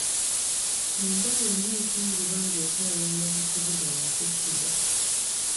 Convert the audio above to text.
Embwa yonna esangibwa ng'etayaaya mu kibuga ya kuttibwa.